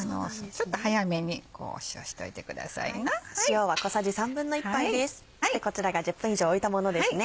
そしてこちらが１０分以上置いたものですね。